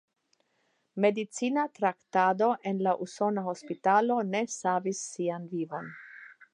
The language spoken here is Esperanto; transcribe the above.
Medicina traktado en la usona hospitalo ne savis sian vivon.